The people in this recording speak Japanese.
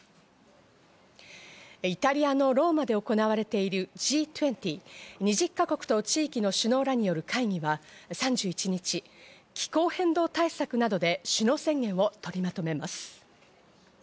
イタリアのローマで行われているＧ２０＝２０か国と地域の首脳らによる会議は、３１日、気候変動対策などで首脳宣言を取りまとめます。